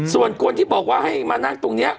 ส่วนคนที่บอกว่าให้มานั่งตรงนี้